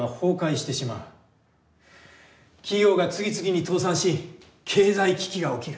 企業が次々に倒産し経済危機が起きる。